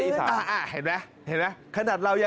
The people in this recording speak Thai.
อีสานยังวางใต้อีสาน